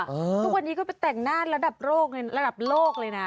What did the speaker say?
ทุกวันนี้เขาไปแต่งหน้าระดับโลกเลยนะ